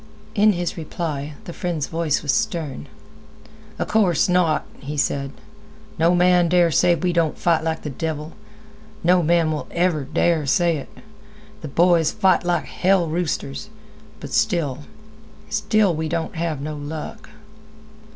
In his reply, the friend's voice was stern. "'A course not," he said. "No man dare say we don't fight like th' devil. No man will ever dare say it. Th' boys fight like hell roosters. But still—still, we don't have no luck."